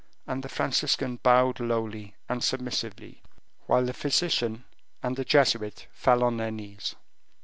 And the Franciscan bowed lowly and submissively, whilst the physician and the Jesuit fell on their knees.